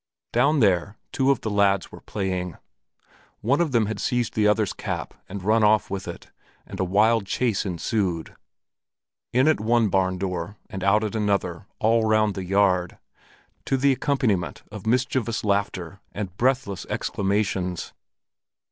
Down there two of the lads were playing. One of them had seized the other's cap and run off with it, and a wild chase ensued, in at one barn door and out at another all round the yard, to the accompaniment of mischievous laughter and breathless exclamations.